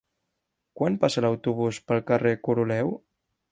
Quan passa l'autobús pel carrer Coroleu?